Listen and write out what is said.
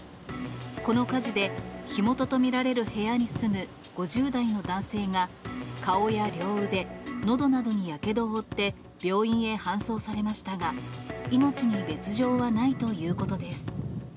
この火事で、火元と見られる部屋に住む５０代の男性が顔や両腕、のどなどにやけどを負って、病院へ搬送されましたが、命に別状はないということです。